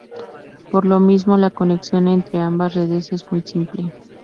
Por lo mismo la conexión entre ambas redes es muy simple.